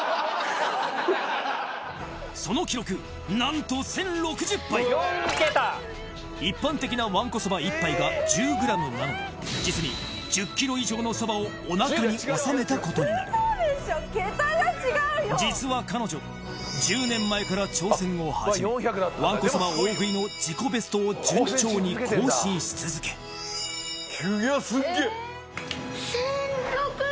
その記録なんと一般的ななので実に１０ｋｇ以上のそばをおなかに収めたことになる実は彼女１０年前から挑戦を始めわんこそば大食いの自己ベストを順調に更新し続けいやすっげ！